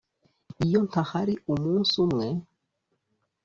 iyo ntahari umunsi umwe,